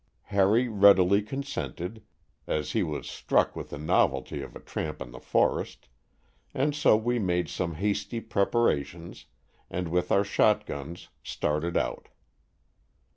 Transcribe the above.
Harry readily consented, as he was "struck" with the novelty of a tramp in the forest, and so we made some hasty preparations and with our shotguns started out.